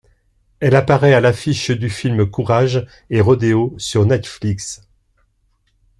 Elle apparaît à l’affiche du film Courage et Rodéo sur Netflix.